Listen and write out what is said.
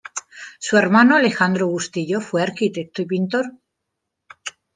Su hermano Alejandro Bustillo fue arquitecto y pintor.